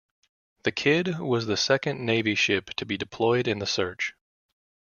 The "Kidd" was the second Navy ship to be deployed in the search.